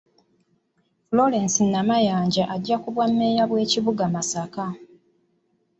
Florence Namayanja ajja ku bwammeeya bw'ekibuga Masaka.